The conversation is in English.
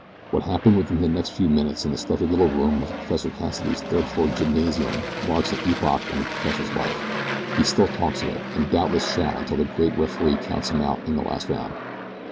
What happened within the next few minutes in the stuffy little room of Professor Cassidy's third floor "gymnasium" marks an epoch in the professor's life he still talks of it, and doubtless shall until the Great Referee counts him out in the Last Round.